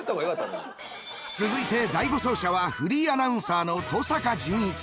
続いて第５走者はフリーアナウンサーの登坂淳一。